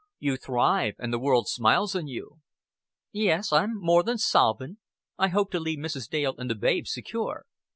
You thrive, and the world smiles on you." "Yes, I'm more than solvent. I hope to leave Mrs. Dale and the babes secure."